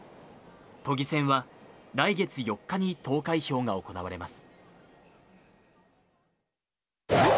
都議選は、来月４日に投開票が行われます。